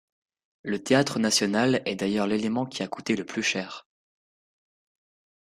Le Théâtre national est d'ailleurs l'élément qui a coûté le plus cher.